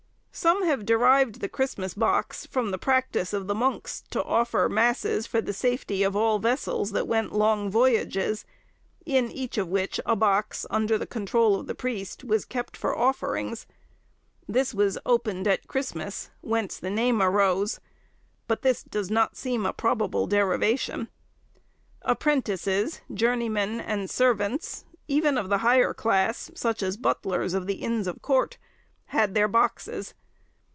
Some have derived the Christmas box from the practice of the monks to offer masses for the safety of all vessels that went long voyages, in each of which a box, under the controul of the priest, was kept for offerings; this was opened at Christmas, whence the name arose: but this does not seem a probable derivation. Apprentices, journeymen, and servants, even of the higher class, such as butlers of the Inns of Court, had their boxes.